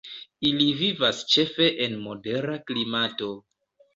Ili vivas ĉefe en modera klimato.